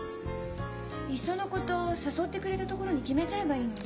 いっそのこと誘ってくれた所に決めちゃえばいいのに。